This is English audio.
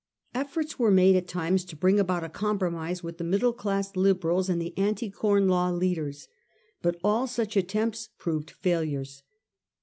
Efforts were made at times to bring about a compromise with the middle class Liberals and the Anti Com Law leaders ; but all such attempts proved failures.